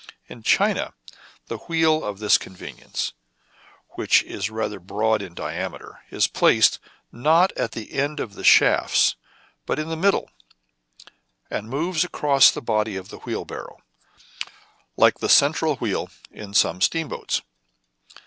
In China the wheel of this conveyance, which is rather broad in diameter, is placed, not at the end of the shafts, but in the middle, and moves across the body of the wheel barrow, like the central wheel in some steamboats.